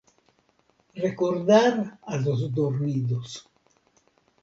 Recordar a los dormidos.